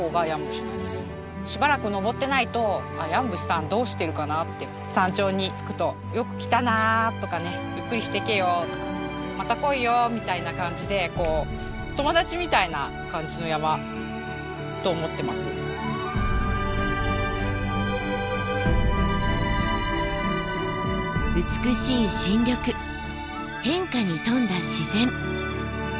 しばらく登ってないと「山伏さんどうしてるかな？」って山頂に着くと「よく来たな」とかね「ゆっくりしてけよ」とか「また来いよ」みたいな感じで美しい新緑変化に富んだ自然。